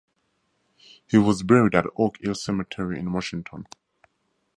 He was buried at Oak Hill Cemetery in Washington.